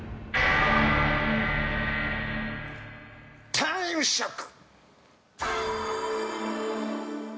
タイムショック！